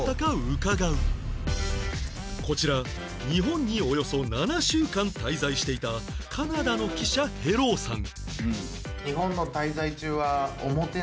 こちら日本におよそ７週間滞在していたカナダの記者ヘロウさん